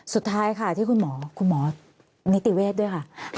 สุดท้ายคุณหมอนิติเวศด้วยค่ะ